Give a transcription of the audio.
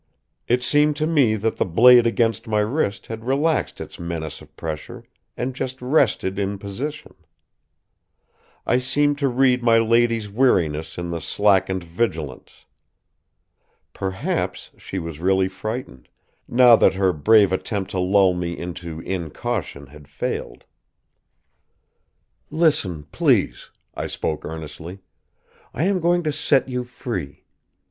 It seemed to me that the blade against my wrist had relaxed its menace of pressure and just rested in position. I seemed to read my lady's weariness in the slackened vigilance. Perhaps she was really frightened, now that her brave attempt to lull me into incaution had failed. "Listen, please," I spoke earnestly. "I am going to set you free.